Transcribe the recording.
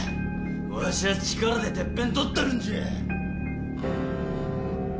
わしゃあ力でてっぺん取ったるんじゃ。